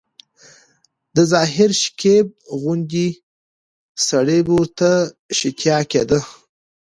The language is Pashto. د ظاهر شکیب غوندي سړي به ورته شتیا کېده.